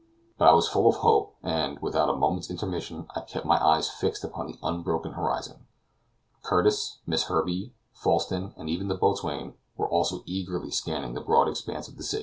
But I was full of hope, and, without a moment's intermission, I kept my eyes fixed upon the unbroken horizon. Curtis, Miss Herbey, Falsten, and even the boatswain, were also eagerly scanning the broad expanse of the sea.